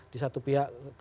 di satu pihak